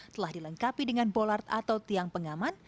telah dilengkapi dengan bolart atau tiang pengaman